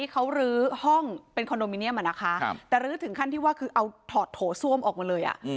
เขาลื้อห้องเป็นคอนโดมิเนียมแต่รื้อถึงขั้นที่ว่าคือเอาถอดโถส้วมออกมาเลย